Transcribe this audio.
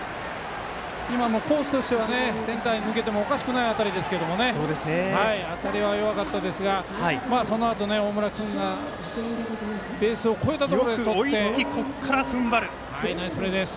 コースとしてはセンターに抜けてもおかしくない当たりでしたがあたりは弱かったですがそのあと大村君がベースを超えたところでとってナイスプレーです。